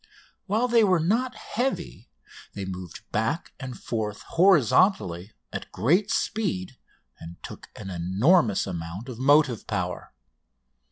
While they were not heavy, they moved back and forth horizontally at great speed and took an enormous amount of motive power.